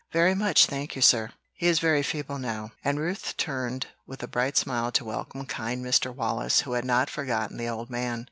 "Very much, thank you, sir. He is very feeble now;" and Ruth turned with a bright smile to welcome kind Mr. Wallace, who had not forgotten the old man.